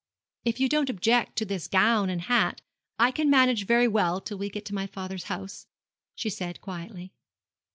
'If you don't object to this gown and hat, I can manage very well till we get to my father's house,' she said quietly.